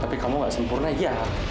tapi kamu gak sempurna ya